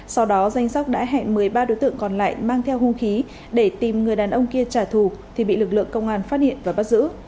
sau đó danh sóc đã hẹn một mươi ba đối tượng còn lại mang theo hung khí để tìm người đàn ông kia trả thù thì bị lực lượng công an phát hiện và bắt giữ